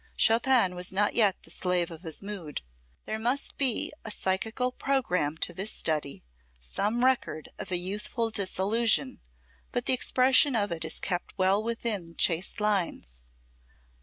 Chopin was not yet the slave of his mood. There must be a psychical programme to this study, some record of a youthful disillusion, but the expression of it is kept well within chaste lines.